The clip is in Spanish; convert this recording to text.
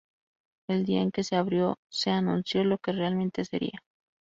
El día en que se abrió, se anunció lo que realmente sería.